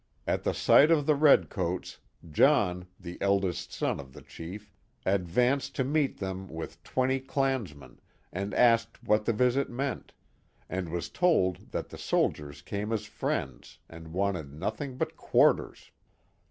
At the sight of the red coats, John, the eldest son of the chief, advanced to meet them with twenty clansmen, and asked what the visit meant, and was told that the soldiers came as friends, and wanted nothing but quarters.